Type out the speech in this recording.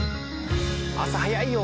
朝早いよ！